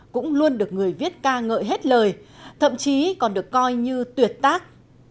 cũng luôn được người viết ca ngợi hết lời thậm chí còn được coi như tuyệt tác